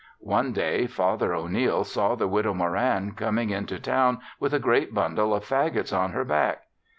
One day, Father O'Neil saw the Widow Moran coming into town with a great bundle of fagots on her back.